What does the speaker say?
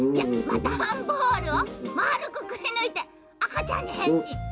だんボールをまあるくくりぬいてあかちゃんにへんしん。